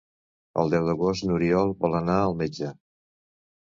El deu d'agost n'Oriol vol anar al metge.